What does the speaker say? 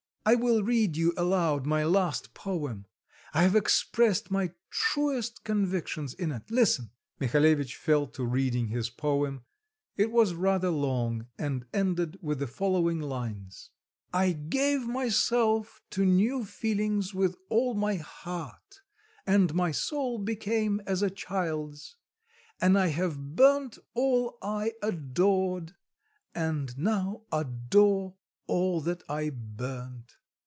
I will read you aloud my last poem; I have expressed my truest convictions in it. Listen." Mihalevitch fell to reading his poem: it was rather long, and ended with the following lines: "I gave myself to new feelings with all my heart, And my soul became as a child's! And I have burnt all I adored And now adore all that I burnt."